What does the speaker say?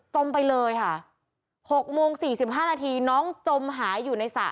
จมไปเลยค่ะหกโมงสี่สิบห้านาทีน้องจมหายอยู่ในสระ